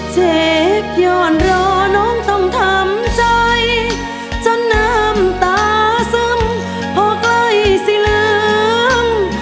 เช็คย้อนรอน้องต้องทำใจจนน้ำตาซึมพอใกล้สิลืม